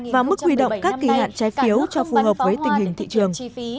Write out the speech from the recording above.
và mức huy động các kỳ hạn trái phiếu cho phù hợp với tình hình thị trường